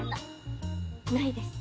なないです。